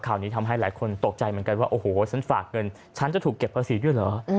นี้ทำให้หลายคนตกใจเหมือนกันว่าโอ้โหฉันฝากเงินฉันจะถูกเก็บภาษีด้วยเหรอ